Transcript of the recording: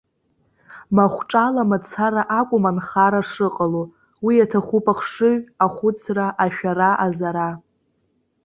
Махәҿала мацара акәым анхара шыҟало, уи иаҭахуп ахшыҩ, ахәыцра, ашәара-азара.